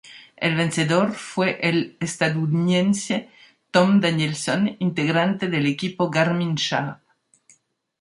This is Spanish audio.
El vencedor fue el estadounidense Tom Danielson, integrante del equipo Garmin Sharp.